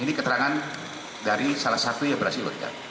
ini keterangan dari salah satu yang berhasil logika